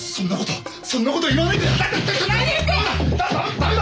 駄目だ！